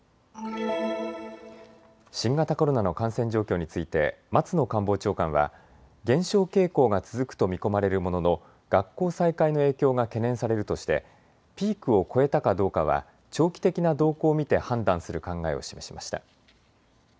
新型コロナの感染状況について松野官房長官は減少傾向が続くと見込まれるものの学校再開の影響が懸念されるとしてピークを越えたかどうかは長期的な動向を見て判断する考えを示しました。